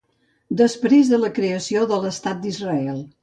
Després de la creació de l'Estat d'Israel.